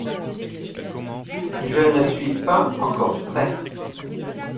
Je ne suis pas encore prêt.